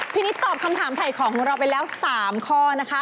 นิดตอบคำถามถ่ายของของเราไปแล้ว๓ข้อนะคะ